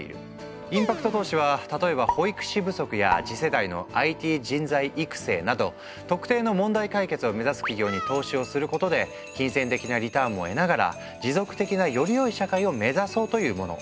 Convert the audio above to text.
インパクト投資は例えば保育士不足や次世代のＩＴ人材育成など特定の問題解決を目指す企業に投資をすることで金銭的なリターンも得ながら持続的なよりよい社会を目指そうというもの。